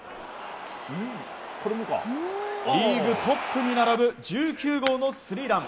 リーグトップに並ぶ１９号のスリーラン！